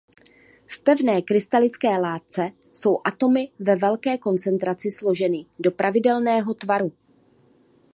V pevné krystalické látce jsou atomy ve velké koncentraci složeny do pravidelného tvaru.